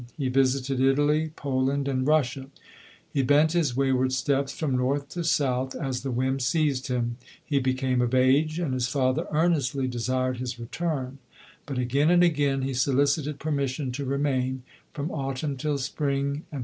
He visited Italy, Poland, and Russia : he bent his wayward steps from north to south, as the whim seized him. He became of age, and his father earnestly desired his return : but again and again he solicited per mission to remain, from autumn till spring, and LODORE.